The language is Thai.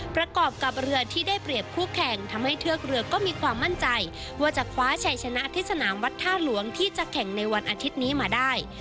ประกอบกับเรือที่ได้เปรียบคู่แข่งทำให้เทือกเรือก็มีความมั่นใจว่าจะคว้าชัยชนะที่สนามวัดท่าหลวงที่จะแข่งในวันอาทิตย์นี้มาได้